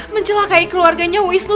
mencelakai keluarganya wisnu